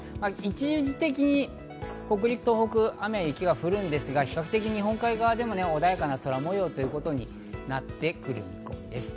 一時的に北陸、東北、雨や雪が降るんですが、比較的、日本海側でも穏やかな空模様ということになってくる見込みです。